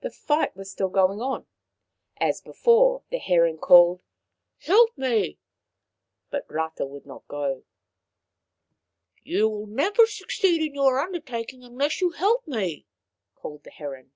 The fight was still going on. As before, the heron called: " Help me," but Rata would not go. " You will never succeed in your undertaking unless you help me," called the heron.